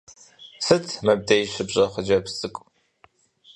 Сыт м ыбдеж щыпщӀэр, хъыджэбз цӀыкӀу?